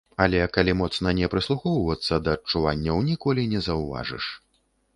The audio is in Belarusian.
Але калі моцна не прыслухоўвацца да адчуванняў, ніколі не заўважыш.